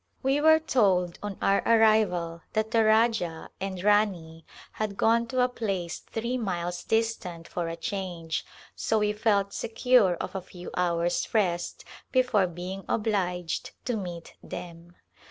We were told on our arrival that the Rajah and Rani had gone to a place three miles distant for a change, so we felt secure of a few hours rest before being obliged to meet them.